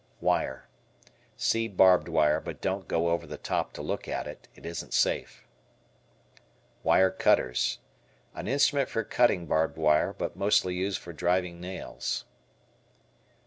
Wire. See barbed wire, but don't go "over the top" to look at it. It isn't safe. Wire Cutters. An instrument for cutting barbed wire, but mostly used for driving nails.